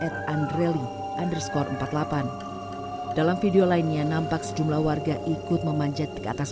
r andrelli underscore empat puluh delapan dalam video lainnya nampak sejumlah warga ikut memanjat ke atas